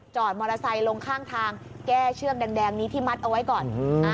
มอเตอร์ไซค์ลงข้างทางแก้เชือกแดงนี้ที่มัดเอาไว้ก่อน